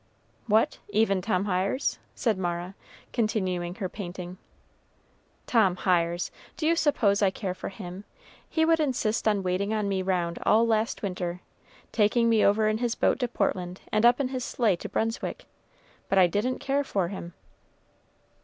"What! even Tom Hiers?" said Mara, continuing her painting. "Tom Hiers! Do you suppose I care for him? He would insist on waiting on me round all last winter, taking me over in his boat to Portland, and up in his sleigh to Brunswick; but I didn't care for him."